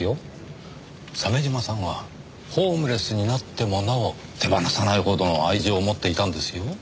鮫島さんはホームレスになってもなお手放さないほどの愛情を持っていたんですよ。